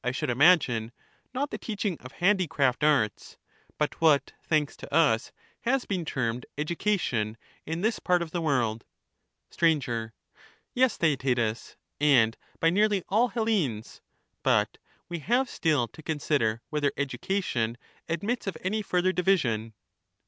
should imagine, not the teaching of handicraft arts, but what, thanks to us, has been termed education in this part of the world. Sir. Yes, Theaetetus, and by nearly all Hellenes. But we have still to consider whether education admits of any further division.